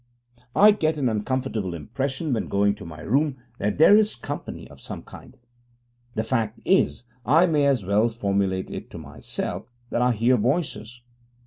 I get an uncomfortable impression when going to my room that there is company of some kind. The fact is (I may as well formulate it to myself) that I hear voices.